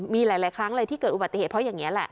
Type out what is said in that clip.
มีหลายครั้งเลยที่เกิดอุบัติเหตุเพราะอย่างนี้แหละ